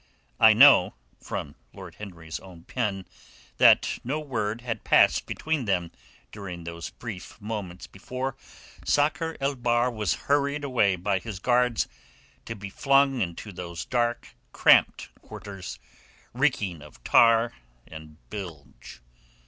I know—from Lord Henry's own pen—that no word had passed between them during those brief moments before Sakr el Bahr was hurried away by his guards to be flung into those dark, cramped quarters reeking of tar and bilge.